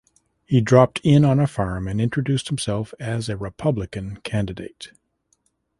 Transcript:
He dropped in on a farm and introduced himself as a Republican candidate.